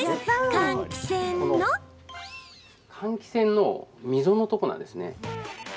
換気扇の溝のところなんですね。